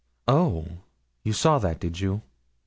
'Oh! you saw that, did you?